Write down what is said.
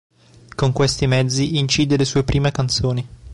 Con questi mezzi incide le sue prime canzoni.